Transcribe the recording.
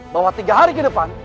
bahwa tiga hari ke depan